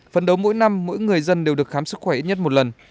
phấn đấu mỗi năm mỗi người dân đều được khám sức khỏe ít nhất một lần